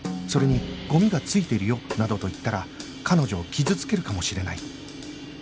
それに「ゴミが付いてるよ」などと言ったら彼女を傷つけるかもしれない